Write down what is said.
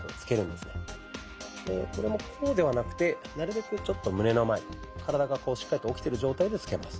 これもこうではなくてなるべくちょっと胸の前体がこうしっかりと起きてる状態でつけます。